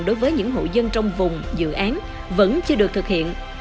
đối với những hộ dân trong vùng dự án vẫn chưa được thực hiện